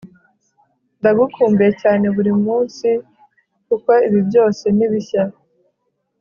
ndagukumbuye cyane burimunsi, kuko ibi byose ni bishya